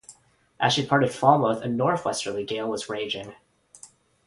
As she departed Falmouth a north-westerly gale was raging.